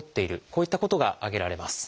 こういったことが挙げられます。